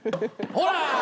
ほら！